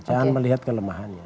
jangan melihat kelemahannya